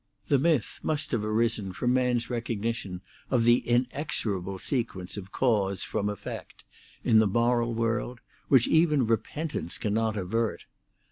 The myth must have arisen from man's recognition of the inexorable sequence of cause from effect, in the moral world, which even repentance cannot avert.